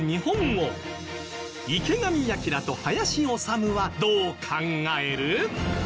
池上彰と林修はどう考える？